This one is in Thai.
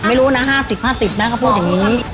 ไม่รู้นะ๕๐๕๐นะเขาพูดอย่างนี้